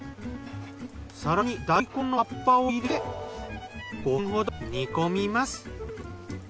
更に大根の葉っぱを入れて５分ほど煮込みます。